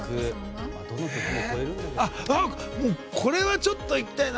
これはちょっといきたいな。